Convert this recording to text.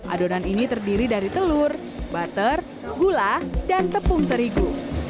adonan ini terdiri dari telur butter gula dan tepung terigu